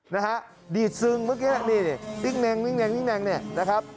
นะฮะดีดซึงเมื่อกี้นี่นี่นิ่งแนงนี่นะครับ